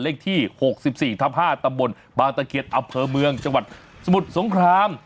เลขที่๖๔ทับ๕ตำบลบางตะเคียนอำเภอเมืองจังหวัดสมุทรสงคราม